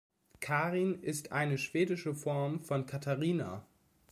Karin ist eine schwedische Form von Katharina.